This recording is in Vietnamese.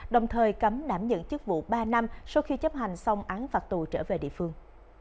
đồng thời cấm đảm nhận chức vụ ba năm sau khi chấp hành xong án phạt tù trở về địa phương